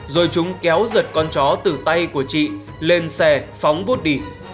rồi chúng kéo giật con chó từ tay của chị lên xe phóng vút đi